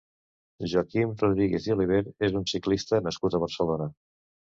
Joaquim Rodríguez i Oliver és un ciclista nascut a Barcelona.